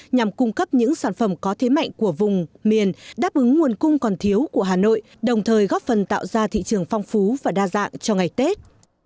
nhằm cung cấp những sản phẩm có thế mạnh của vùng miền đáp ứng nguồn cung còn thiếu của hà nội đồng thời góp phần tạo ra thị trường phong phú và đa dạng cho ngày tết